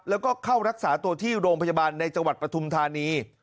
แล้วก็เข้ารักษาตัวที่โรงพยาบาลในจังหวัดปฐุมธานี